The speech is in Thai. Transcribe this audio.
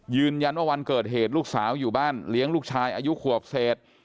ยืนยันว่าวันเกิดเหตุลูกสาวอยู่บ้านเลี้ยงลูกชายอายุขวบเศษ